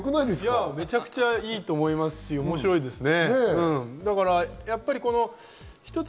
めちゃくちゃいいと思いますし、おもしろいですね。